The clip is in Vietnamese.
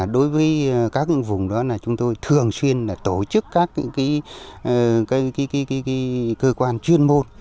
đối với các vùng đó là chúng tôi thường xuyên tổ chức các cơ quan chuyên môn